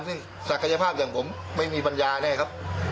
ซึ่งศักยภาพอย่างผมไม่มีปัญญาแน่ครับ